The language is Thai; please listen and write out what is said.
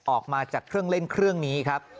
ออกมาจากเครื่องเล่นเครื่องนี้ครับ